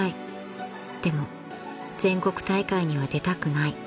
［でも全国大会には出たくない］